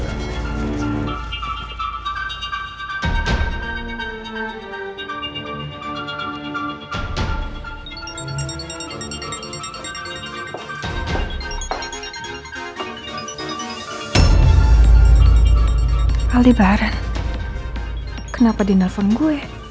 jadi diri blackine dulu